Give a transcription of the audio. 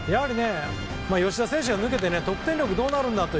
吉田選手が抜けて得点力どうなるんだと。